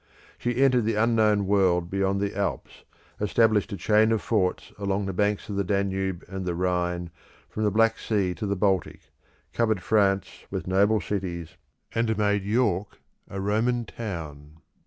She entered the unknown world beyond the Alps, established a chain of forts along the banks of the Danube and the Rhine from the Black Sea to the Baltic, covered France with noble cities, and made York a Roman town.